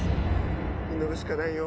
祈るしかないよ。